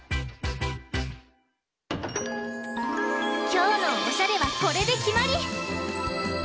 きょうのおしゃれはこれできまり！